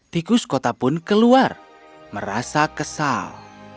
tikus kota pun keluar merasa kesal